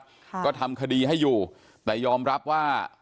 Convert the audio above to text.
ค่ะก็ทำคดีให้อยู่แต่ยอมรับว่า